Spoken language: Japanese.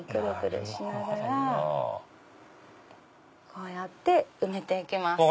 こうやって埋めて行きます。